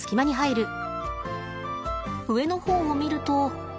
上の方を見ると。